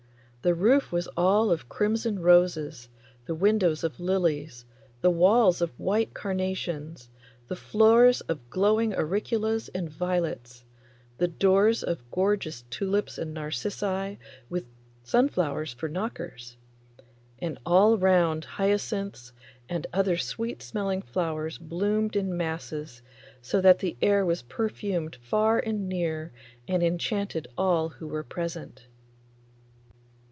The roof was all of crimson roses, the windows of lilies, the walls of white carnations, the floors of glowing auriculas and violets, the doors of gorgeous tulips and narcissi with sunflowers for knockers, and all round hyacinths and other sweet smelling flowers bloomed in masses, so that the air was perfumed far and near and enchanted all who were present.